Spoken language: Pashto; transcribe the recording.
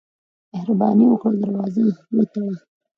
مهرباني وکړه، دروازه وتړه.